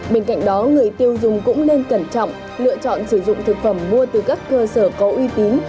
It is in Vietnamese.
bên cạnh đó người tiêu dùng cũng nên cẩn trọng lựa chọn sử dụng thực phẩm mua từ các cơ sở có uy tín